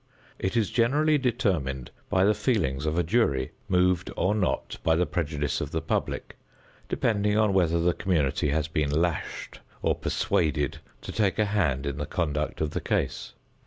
It is generally determined by the feelings of a jury, moved or not by the prejudice of the public, depending on whether the community has been lashed or persuaded to take a hand in the conduct of the case.